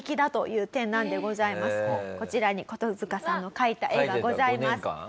こちらにコトヅカさんの描いた絵がございます。